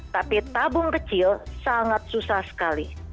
tapi tabung kecil sangat susah sekali